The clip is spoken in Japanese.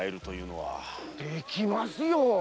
できますよ！